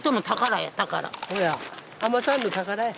海女さんの宝や。